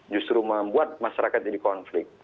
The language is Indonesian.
justru membuat masyarakat jadi konflik